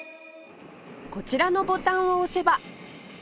こちらのボタンを押せば